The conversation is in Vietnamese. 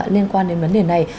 liên quan đến vấn đề này